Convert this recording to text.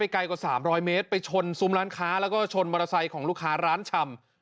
ไกลกว่า๓๐๐เมตรไปชนซุ้มร้านค้าแล้วก็ชนมอเตอร์ไซค์ของลูกค้าร้านชำ